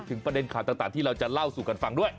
เท่าว่าเราจะเล่าสุขกันฟังด้วย